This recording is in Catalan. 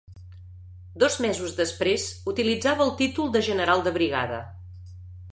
Dos mesos després utilitzava el títol de general de brigada.